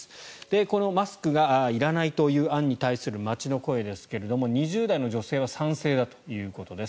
このマスクがいらないという案に対する街の声ですが、２０代の女性は賛成だということです。